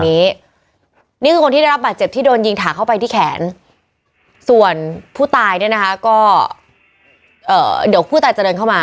นี่คือคนที่ได้รับบาดเจ็บที่โดนยิงถาเข้าไปที่แขนส่วนผู้ตายเนี่ยนะคะก็เอ่อเดี๋ยวผู้ตายจะเดินเข้ามา